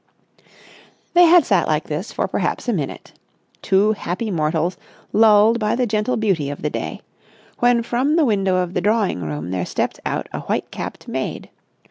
They had sat like this for perhaps a minute—two happy mortals lulled by the gentle beauty of the day—when from the window of the drawing room there stepped out a white capped maid.